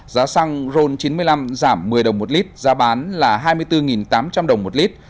giá xăng ron chín mươi năm giảm một mươi đồng một lít giá bán là hai mươi bốn tám trăm linh đồng một lít